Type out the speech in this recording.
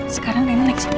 sekarang rena naik sini